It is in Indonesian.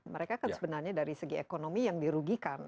mereka kan sebenarnya dari segi ekonomi yang dirugikan